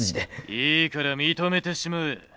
「いいから認めてしまえ！